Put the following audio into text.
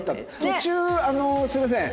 途中すみません